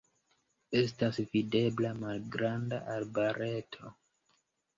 Estas videbla malgranda arbareto.